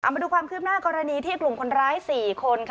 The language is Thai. มาดูความคืบหน้ากรณีที่กลุ่มคนร้าย๔คน